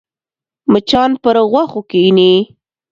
مچان پر غوښو کښېني